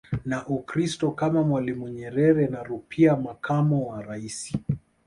na Ukristo kama Mwalimu Nyerere na Rupia makamo wa raisi